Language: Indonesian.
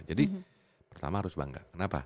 jadi pertama harus bangga kenapa